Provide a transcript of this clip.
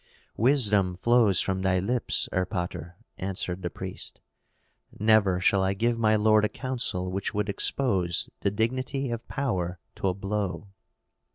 "Wisdom flows from thy lips, erpatr," answered the priest. "Never shall I give my lord a counsel which would expose the dignity of power to a blow."